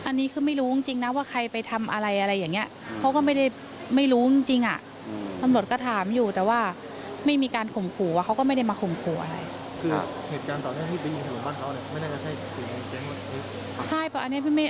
อันนี้คือไม่รู้จริงนะว่าใครไปทำอะไรอะไรอย่างเงี้ยเขาก็ไม่ได้ไม่รู้จริงจริงอ่ะตำรวจก็ถามอยู่แต่ว่าไม่มีการข่มขู่ว่าเขาก็ไม่ได้มาข่มขู่อะไรคือเหตุการณ์ต่อเนื่อง